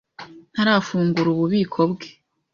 ntarafungura ububiko bwe.